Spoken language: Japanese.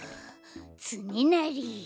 つねなり。